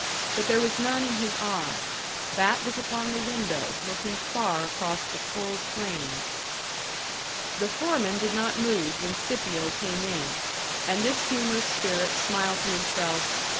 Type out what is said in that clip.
But there was none in his eye. That was upon the window, looking far across the cold plain. The foreman did not move when Scipio came in, and this humorous spirit smiled to himself.